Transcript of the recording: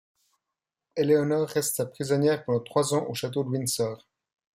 Éléonore reste sa prisonnière pendant trois ans au château de Windsor.